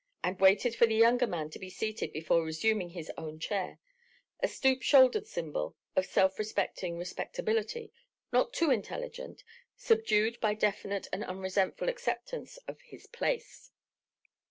—and waited for the younger man to be seated before resuming his own chair: a stoop shouldered symbol of self respecting respectability, not too intelligent, subdued by definite and unresentful acceptance of "his place."